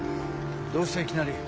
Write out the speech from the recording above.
どうしたいきなり。